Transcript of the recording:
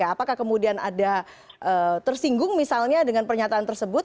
apakah kemudian ada tersinggung misalnya dengan pernyataan tersebut